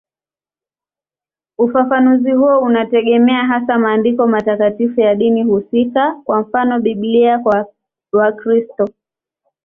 Ufafanuzi huo unategemea hasa maandiko matakatifu ya dini husika, kwa mfano Biblia kwa Wakristo.